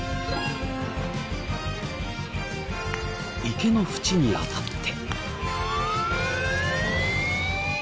池の縁に当たって。